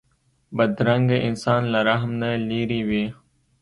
بدرنګه انسان له رحم نه لېرې وي